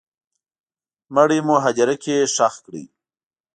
مړی مو هدیره کي ښخ کړی